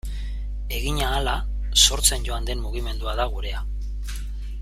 Egin ahala sortzen joan den mugimendua da gurea.